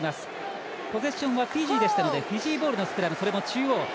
ポゼッションはフィジーでしたのでフィジーボールのスクラム。